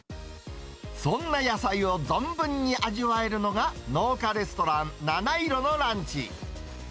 そんな野菜を存分に味わえるのが、農家レストラン、菜七色のランチ。